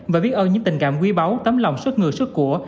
và biết ơn những tình cảm quý báu tấm lòng xuất ngừa xuất của